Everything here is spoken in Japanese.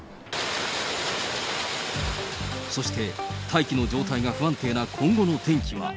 そして、大気の状態が不安定な今後の天気は。